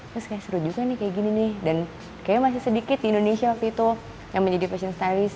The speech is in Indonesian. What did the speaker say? terus kayak seru juga nih kayak gini nih dan kayaknya masih sedikit di indonesia waktu itu yang menjadi fashion stylist